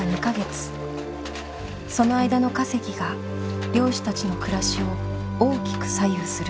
その間の稼ぎが漁師たちの暮らしを大きく左右する。